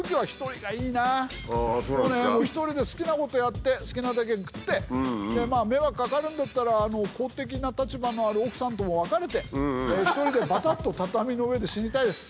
もうね一人で好きなことやって好きなだけ食って迷惑かかるんだったら公的な立場のある奥さんとも別れて一人でぱたっと畳の上で死にたいです。